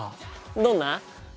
どんな？